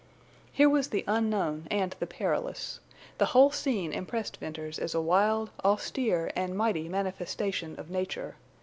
Here was the unknown and the perilous. The whole scene impressed Venters as a wild, austere, and mighty manifestation of nature.